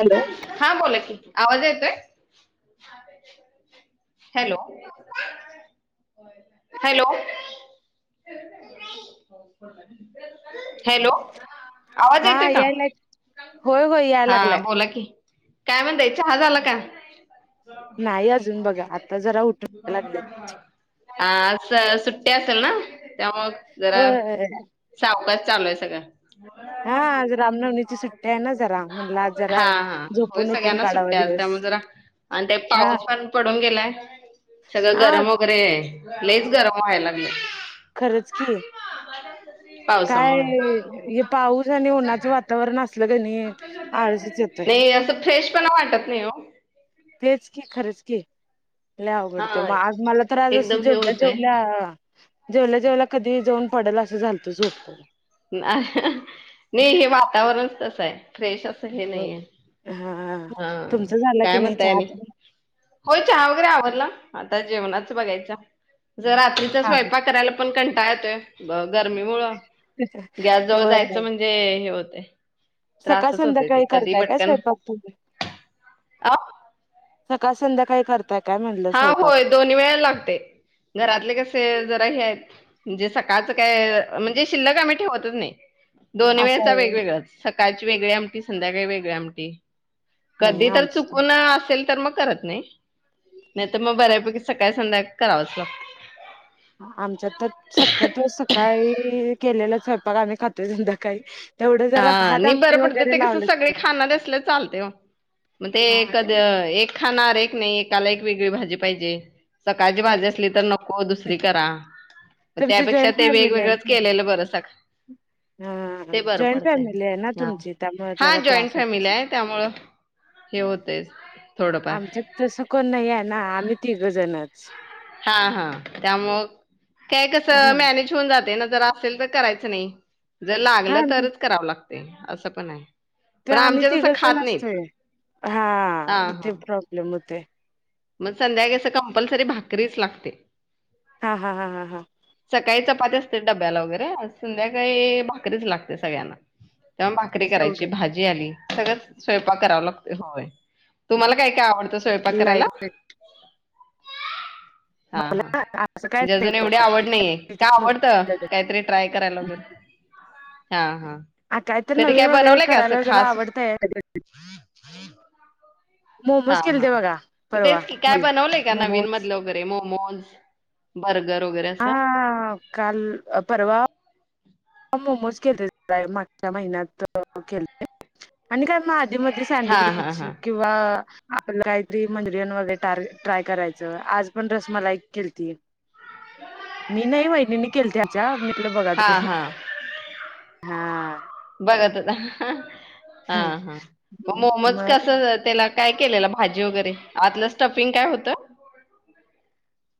Hello. हा बोला की, आवाज येतोय? हॅलो. हॅलो. हॅलो, आवाज हा येतो का? यायला होय होय याय हा. लागलाय बोला की, काय म्हणताय, चहा झाला का? [unintelligible] हा नाही अजून बघा आता जरा उठून लागले अआज सुट्टी असेल ना, त्यामुळ जरा होय सावकाश चालू आहे सगळं. हा आज रामनवमी ची सुट्टी आहे ना जरा, म्हटलं आज जरा हा हा, होय झोपून उठून सगळ्यांना काढावा सुट्ट्या आज, दिवस त्यामुळे जरा, आणि ते हा पाऊस पण पडून गेलाय सगळं हा गरम वगैरे, लईच गरम व्हायला लागलंय. खरंच की, काय पावसामुळे. हे पाऊस आणि उन्हाचं वातावरण अस सलं क णै, आळसच येतोय. नाही असं फ्रेश पणा वाटत नाही ओ. तेच की, खरंच की, लय अवघडतंय, मग हा आज मला तर आज असं एकदम हे जेवलं होतय जेवल्या जेवला जेवला कधी जाऊन पडेल असं झालतं, झोपून नाही हे वातावरण कसं आहे, फ्रेश असं हे होय नाहीेये. हा, तुमचं झालं की काय नाही म्हणताय चहा आनी? तेन? होय चहा वगैरे आवरला, आता जेवणाच बघायचं, जर रात्रीचा हा स्वयंपाक करायला पण कंटाळ येतोय, गरमीमुळ हा गॅस जवळ होय जायचं म्हणजे हे होतय. सकाळ त्रासच होतय -संध्याकाळी ते कधी करताय काय पटकन स्वयंपाक? [inaudible] अहो सकाळ संध्याकाळी करत ताय काय म्हणलं? हा स्वयंपाक होय दोन्ही वेळेला लागतय, घरातले कसे जरा हे आहेत म्हणजे सकाळचं काय, म्हणजे शिल्लक आमी ठेवतच नाही. दोन असं वेळचा आहे वेगवेगळ, सकाळची वेगळी आमटी, संध्याकाळी वेगळी आमटी. नाही कधी तर आमचं चुकून असेल तर मग करत नाही. नाही तर मग बऱ्यापैकी सकाळी -संध्याकाळ करावंच लागत. आमच्यात तर शक्यतो सकाळी केलेला स्वयंपाक आम्ही खातोय संध्याकाळी. तेवढं जरा हा भात नि आमटी बरं पडतय वगैरे ते कसं, लावलं सगळे तर खानारे आसले तर चालतय ओ. मग ते हा कधी एक खाणार एक नाही, एकाला एक वेगळी भाजी पाहिजे. सकाळची भाजी असली तर नको. नको दुसरी करा, मग तुमची त्यापेक्षा जॉईंट ते फॅमिली आहे वेगवेगळंच ना केलेलं बरं सगळ्यांना. हा, जॉईंट फॅमिली आहे ना तुमची त्यामुळे हा, जरा त्रास जॉईंट होत फॅमिली असेल हाय, त्यामुळं हे होतेयच थोडंफार आमच्यात तसं कोण नाही आहे ना आम्ही तिघं जणच. हा-हा त्यामुळ काय कस हा मॅनेज होऊन जाते ना जरा असेल तर करायचं नाही. जर हा लागलं तरचं करावं लागते असं पण आहे. ते पण आम्ही आमच्यात असं तिघंजण खात नाहीत. असतोय, हा हां, ते हां. प्रॉब्लेम होतेय. मग संध्याकाळी कसं कंपल्सरी भाकरीच लागते. हां-हां-हां-हां. सकाळी चपाती असते डब्याला वगैरे, संध्याकाळी भाकरीच लागत्या सगळ्यांना. तेव्हा भाकरी तेवढं करायची, भाजी आली. सगळंच स्वयंपाक करावं लागतं होय. तुम्हाला काय काय आवडतं स्वयंपाक करायला. लाईट हा हा असं काय म्हणजे अजुनही नाही का आवड नाहीये, का आवडतं काहीतरी ट्राय करायला वगैरे हा हा. आ कायतरी कधी काय नवीन वगैरे बनवलंय का असं करायला जरा खास आवडतयं. हा हा बघा परवा तेच की काय मध्ये बनवलेय का नवीन मोमोज मधलं ते मोमोज, बर्गर वगैरे हा असं काल परवा मोमोज केलत, मागच्या महिन्यात केलते आणि काय मग कधीमधी हा हा सँडविच हा किंवा आपलं काहीतरी मंचुरियम वगैरे ट्राय करायचं, आज पण रसमलाई केलती. मी नाही वहिणीनी केलती आमच्या, मी आपला हा बघालतो ते. हा बघत होता. हा हा मग मोमोज मग कसं तेलात काय केलेला भाजी वगैरे, आतलं स्टफिंग काय होतं.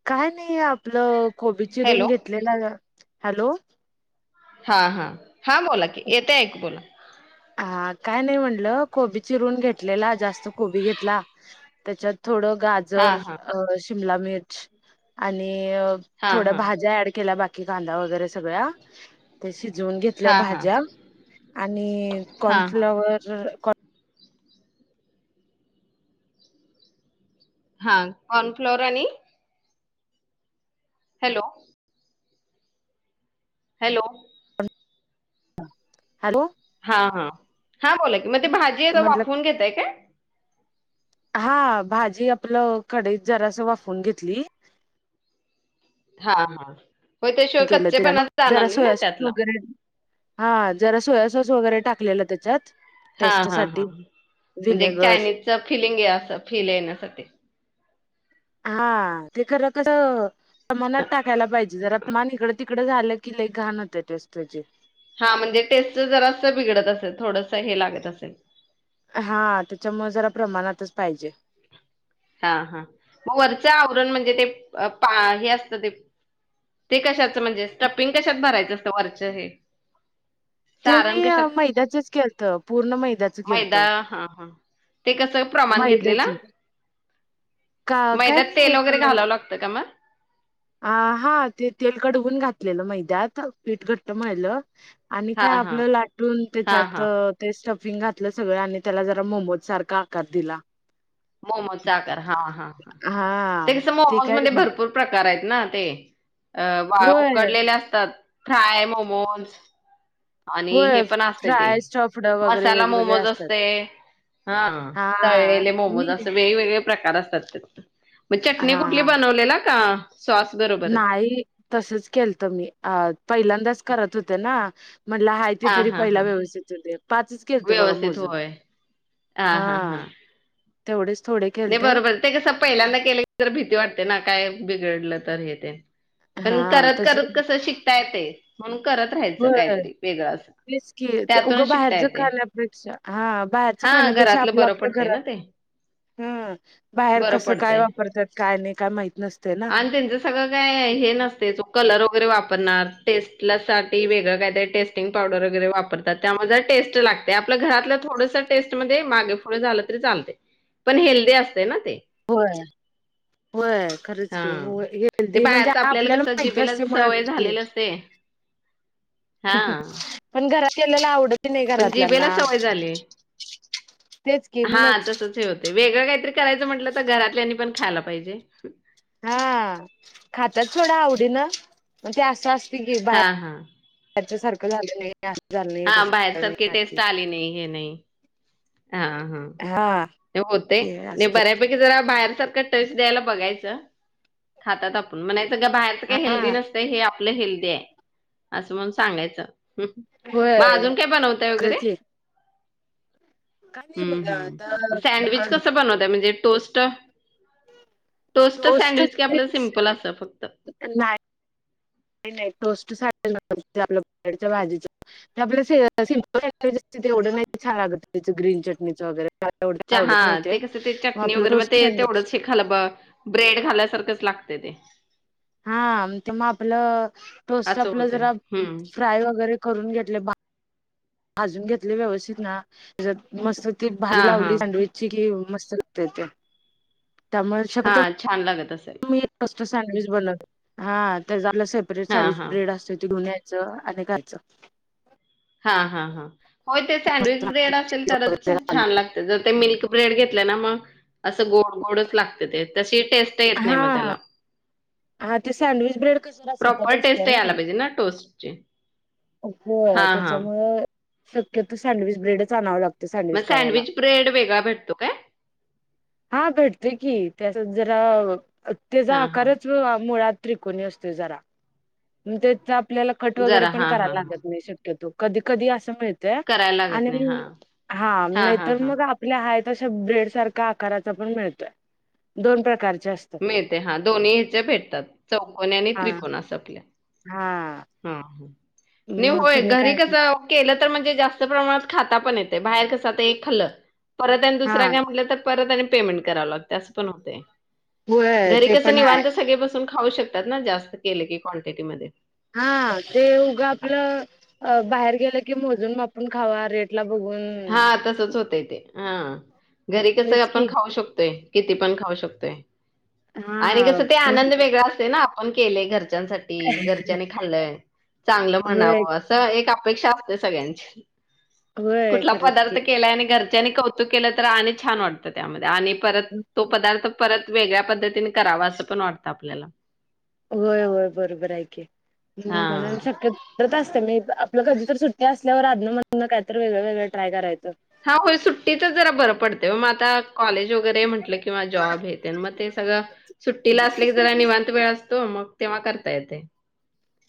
काय नाही आपलं कोबी हॅलो चिरून घेतलेलं. हॅलो. हा-हा-हा बोला की येतेय, ऐकू बोला. हा काय नाही म्हणलं कोबी चिरून घेतलेला, जास्त कोबी घेतला त्याच्यात थोडं हा गाजर हा जर शिमलामिर्च आणि हा थोडं हा भाज्या ऍड केल्या बाकीचं. की कांदा वगैरे संगळ्या ते शिजवून हा घेतल्या हा हा भाज्या. आणि हा कॉर्नफ्लॉवर हा कॉर्नफ्लॉवर आणि हॅलो. हॅलो. हॅलो. हा-हा-हा बोला की मग ती भाजी म्हटलं वाफवून घेताय काय. हा भाजी आपलं कढईत जरांस वाफवून घेतली. हा -हा हो त्याशिवाय केलं त्याला ना कच्चेपणा जाणार जरा नाही ना सोया सॉस त्यातला. वगैरे हा जरा सोया सॉस वगैरे टाकलेलं त्याच्यात. टेस्ट साठी हा-हा-हा म्हणजे एक विनेगर चायनीजच फिलिंग आहे असं फील येण्यासाठी. हा. ते खरं खरं सामानात टाकायला पाहिजे जरा. प्रमाण इकडं तिकडं झालं कि लई घाण होतं. ते स्ट्रीचिंग. हा म्हणजे टेस्ट जरां असं बिघडत असेल, थोडंस हे लागत असेल. हा त्याच्यामुळे जरा प्रमाणातच पाहिजे. हा हा मग वरचं आवरण म्हणजे, ते पा हे असतं ते ते कशाचं म्हणजे स्टपिंग कशात भरायचं असतं वरचं हे ते सारण मी कशात मैद्याचंच केलतं पूर्ण मैद्याचं केलतं. मैदा हा, हा. ते कसं प्रमाण मैद्याच घेतलेला. का काय मैद्यात नाही तेल वगैरे घालावं लागतं का मग? आ हा ते तेल कडवून घातलेलं, मैद्यात पीठ घट्ट मळलं. आणि काय हां हां. आपलं लाटून हां त्याच्यात हां. ते स्टफिंग घातलं सगळं, आणि त्याला जरा मोमोज सारखा आकार दिला. मोमोज चा आकार हा हां हा ते कस, ते मोमोज काय मध्ये भरपूर प्रकार आहेत ना, ते वाड होय उकडलेले असतात, फ्राय मोमोज, आणि हे होय पण असते ते, फ्राय स्टफड वगैरे मसाला वेगवेगळे मोमोज असतात. असते. हा ह हा तळलेले मोमोज मी असं वेग वेगळे प्रकार असतात. त्यात हा चटनी कुठली हा बनलेल का स्वास ब नाही तसच केलत मी. अ पहिल्यांदाच करत होते ना. म्हटलं आहे ते हां तरी हां पहिला हां. व्यवस्थित होऊदे. पाचच केलथे बघा मोजून. ह, हा, हां. तेवढेच थोडे नाही केलथे. बरोबर ते कसं पहिल्यांदा केले तर भीती वाटते ना. काय बिघडलं तर हे ते. पण हा करत, तस करत कसं शिकता येत. म्हणून करत राहायचं होय काहीतरी वेगळं असं. तेच की, ते उगं त्यातूनच शिकता बाहेरच येते खाण्यापेक्षा, हा बाहेरच हा खाण्यापेक्षा घरातलं आपलं बरं आपलं पडतंय घरात. ना ते हम् बाहेर बरं कसं काय पडतंय. वापरतात. काय नाही काय माहीत नसते ना. आणि त्यांचं सगळं काय हे नसते. कलर वगैरे वापरणार टेस्ट साठी वेगळं काय टेस्ट टेस्टिंग पावडर वगैरे वापरतात. त्यामध्ये टेस्ट लागते, आपल घरातल थोडस टेस्ट मध्ये मागे पुढे झालं तरी चालते. पण हेल्दी असते ना ते. होय. होय खरंच की, हा. ते हेल्दी म्हणजे बाहेरच आपल्याला कसं माहती जिबेला असते. सवय मुळात ते झालेली असते [inaudible] हां, पण घरात केलेलं आवडत नाही पण जिबेला घरातल्यांना सवय झाली. तेच की हा म्हणच तसच हे होत. ते वेगळं काहीतरी करायचं म्हटलं तर, घरातल्यानी पण खायला पाहिजे. हा खाताात थोडं आवडीन, पण ते असं असते की बाहेर हां, हां. त्याच सारखं झालं नाही. हेए आसं झालं. नाही हा तस बाहेर नाही सारखी टेस्ट नाटकी आली नाही हे नाही. हा हा हा ते होतेय ते बऱ्यापैकी ते जरा बाहेर सारख टेस्ट द्यायला बघायच, खातात आपलं म्हणाच. सगळं बाहेरच काही हा हेल्दी नसतं, हे आपलं हेल्दी आहे. असं म्हण सांगायचं हू. मग होय अजून काय? बनवताय खरंच वगैरे. की काय नाही हम्म बघा हम् सँडविच आता कसं बनवत्यात, म्हणजे टोस्ट. टोस्ट सँडविच का? आपलं सिम्पल असत फक्त. नाही नाही टोस्ट सँडविच [unintelligible] आपल्या बटाट्याच्या भाजीचा. आपल्या सिंपल सँडवेज असते, तेवढं नाही छान लागत, त्याच ग्रीन चटणीचं वगैरे. मला तेवढं चहा आवडत नाही ते, मग आपलं रोस्ट सँडविच खालं ब ब्रेड खाल्या सारखंच लागतं ते हा, ते मग आपलं टोस्ट, असं आपलं होतंय जरा हम्म. फ्राय वगैरे करून घेतलं, बा भाजून घेतले व्यवस्थित, ना? त्याच्यात मस्त ती हा भाजी हा लावली, सँडविच चीकेव मस्त लागते त्या त्यामुळे, हा शकतो छान लागत असेल मी, फर्स्ट सँडविच बनवत... हा, तर झालं स ब्रेड, हा सँडविच हा ब्रेड असते, ती कडून यायचं आणि खायचं हा, हा, हा... हो, ते सँडविच ब्रेड असेल तरच छान लागते जर ते मिल्क ब्रेड घेतलं ना, मग असं गोड-गोडच लागते ते, तशी टेस्ट ते येत नाही हा मग त्याला हा ते सँडविच ब्रेड कसं, जरा सपक प्रॉपर टेस्ट असतं ना, यायला पाहिजे टोस्टची होतं हा हा त्याच्यामुळे? शक्यतो सँडविच ब्रेडच आणावं लाग मग सँडविच ब्रेड वेगळा भेटतो काय? हा, भेटतोय की त्यास, जरा त्याचा हा हा आकार मुळात त्रिकोणी असतोय, जरा ते [inaudible] आपल्याला कट वगैरे जरा पण हा हा करायला हा लागत नाही, शक्यतो, कधी-कधी असं मिळ त्या करायला लागत आणि नाही हा हा हा नाहीतर हा मग आपल्या आहे तशा ब्रेड आकाराचं पण मिळतोय, दोन प्रकारच्या अस मिळते हा, दोन्ही ह्याच्या भेटतात, चौकोनी आणि हा त्रिकोनी असं आपल्या हा हा, हा... नाही, मग होय, तुम्ही घरी काय कसं? केलं तर म्हणजे जास्त प्रमाणात खाता पण येतंय, बाहेर कसं, एक खाल्लं परत हा दुसरं काय म्हटलं तर परत आणि पेमेंट कराव लागते असं पण होतंय. होय घरी ते कसं पण हाय. निवांत, सगळे बसून खाऊ शकतात ना, जास्त केलं की क्वांन्टटी मध्ये... हा, ते उगंच आपलं अं, बाहेर गेलं की मोजून मापून खावा, रेटला बघून हा, तसंच होतंय ते, हा घरी कसं तेच की आपण खाऊ शकतोय... किती पण खाऊ शकतोय, हा आणि कसं, ते आनंद वेगळा असतोय ना... आपण केलं घरच्यांसाठी, घरच्यांनी खाल्लंय, चांगलं होय म्हणावं असं... एक अपेक्षा असते सगळ्यांची, होय कुठला खरंच पदार्थ की केला आणि घर घरच्यांनी कौतुक केलं तर अजून छान वाटतं, त्यामध्ये, आणि परत तो पदार्थ परत... वेगळ्या पद्धतीने करावं असं पण वाटतं आपल्याला होय, होय, बरोबर आहे की, हा. म्हणून शक्य तसंच मी आपलं कधीतरी सुट्टी असल्यावर अधून मधून काय तरी वेगळं वेगळं ट्राय करायचं... हा, होय, सुट्टीला जरा बरं पडतंय ओ, मग आता कॉलेज वगैरे म्हटलं किंवा जॉब, मग हे ते सगळं सुट्टीला असले की जरा निवांत वेळ असतो... हो मग तेव्हा करता येतंय...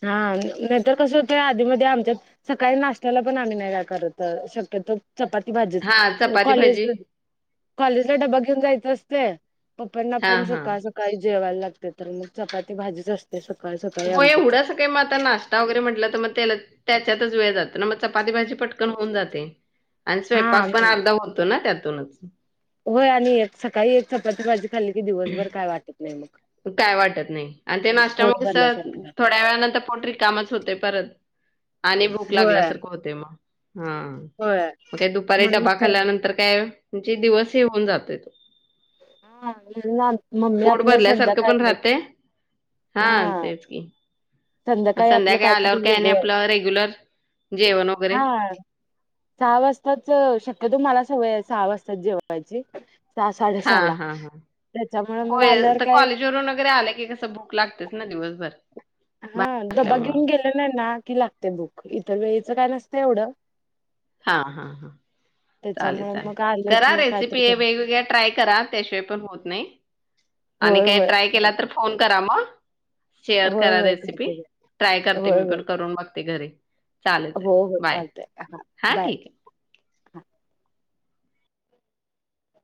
हा, नाहीतर कसं होतंय आधीमध्ये आमच्या... सकाळी नाश्त्याला पण आम्ही नाही काय करत, शक्यतो चपाती भाजी, हा चपाती भाजी कॉलेजला डबा घेऊन जायचं असतं पप्पांना हा पण हा सकाळ सकाळी जेवायला लागतंय तर मग चपाती भाजीच अस असते सकाळी सकाळी आमच्यात ते मग आता नाश्ता वगैरे म्हटलं तर मग तेला त्याच्यातच वेळ जातो ना मग चपाती भाजी पटकन होऊन जाते. आणि हा स्वयंपाक पण अर्धा होतो ना त्यातुनच होय आणि एक सकाळी एक चपाती भाजी खाल्ली की दिवसभर काय वाटत नाही मग काय वाटत नाही आणि ते पोट नाश्त्यामुळे कस भरल्यासारखं थोड्या वेळानंतर पोट रिकामच होते परत आणि भुक होय लागल्यासारख होते मग हां होय मग काय दुपारी म्हणून डबा तर खाल्ल्यानंतर काय म्हणजे दिवस हे होऊन जातयत हा मम्मी आपल सांगतात तु पण राहते हां तेच की मग संध्याकाळी आपल कायतरी आल्यावर काय आणि वेगळं आपलं रेग्युलर जेवण आहे वगैरे? आज सहा वाजताच शक्यतो मला सवय आहे सहा वाजता जेवायची सहा साडे सहा ला हं हं त्याच्यामुळे मग होय आल्यावर तर काय कॉलेजवरून वगैरे आले की कस भुक लागतेच ना दिवसभर हां बाहेर डबा असल्यामुळं. घेऊन गेलेला नाही ना कि लागते भुक इथल्या इथ काय नसते एवढ हां हां हां चालेल चालेल मग आलं करा की कायतर रेसिपी कर वेगवेगळ्या ट्राय करा त्याशिवाय पण होत नाही आणि होय काय होय ट्राय केला तर चालते फोन करा मग शेअर होय करा होय रेसिपी करते ट्राय करते होय मी होय पण करून बघते घरी हो हो चालते हां हां ठीक आहे